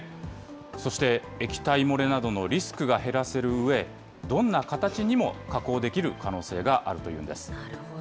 そして液体漏れなどのリスクが減らせるうえ、どんな形にも加工でなるほど。